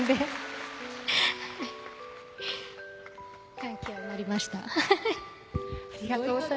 感極まりました。